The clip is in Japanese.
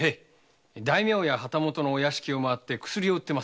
大名や旗本のお屋敷を回って薬を売ってます。